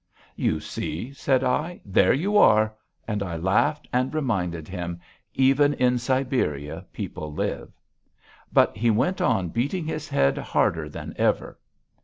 'You see,' said I, 'there you are.' And I laughed and reminded him: 'Even in Siberia people live.' But he went on beating his head harder than ever....